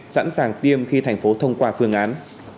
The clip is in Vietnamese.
sẵn sàng tiêm khi thành phố thông qua phương án